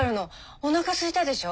おなかすいたでしょ？